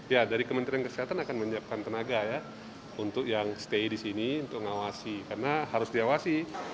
ya dari kementerian kesehatan akan menyiapkan tenaga ya untuk yang stay di sini untuk mengawasi karena harus diawasi